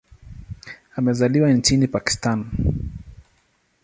Amezaliwa nchini Pakistan.